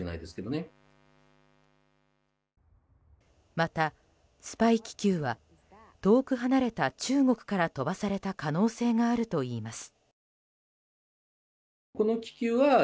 また、スパイ気球は遠く離れた中国から飛ばされた可能性があるといいます。